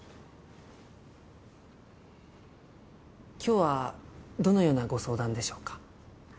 今日はどのようなご相談でしょうか？